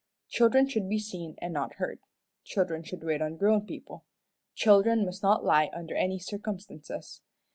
Children should be seen and not heard. Children should wait on grown people. Children must not lie under any circumstances.